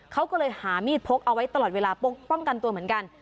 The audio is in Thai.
เขาก็เลยหามีดพกเอาไว้ตลอดเวลาป้องกันตัวเหมือนกัน